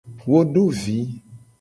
Wo do vi.